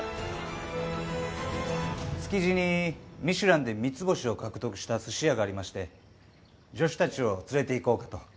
築地に『ミシュラン』で三ツ星を獲得した寿司屋がありまして助手たちを連れて行こうかと。